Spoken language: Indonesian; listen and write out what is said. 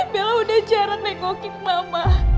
bella udah jarang nengokin mama